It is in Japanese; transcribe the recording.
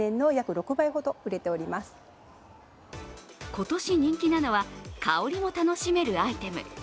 今年、人気なのは香りも楽しめるアイテム。